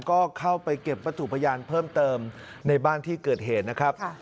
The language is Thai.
ก็เข้าไปเก็บวัตถุพยานเพิ่มเติมในบ้านที่เกิดเหตุนะครับ